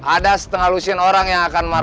ada setengah lusin orang yang akan menanganimu